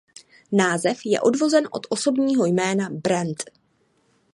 Název je odvozen od osobního jména "Bran".